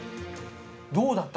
どうだった？